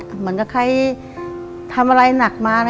ยังไม่ไปเหลือชะวันแบบใครจะทำอะไรหนักมา